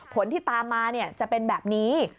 ผลที่ตามมาจะเป็นแบบนี้